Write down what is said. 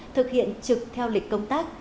thực hiện trực theo lịch công tác